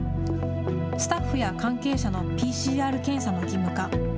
スタッフや関係者のＰＣＲ検査の義務化。